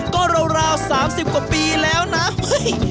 ก็ราว๓๐กว่าปีแล้วนะเฮ้ย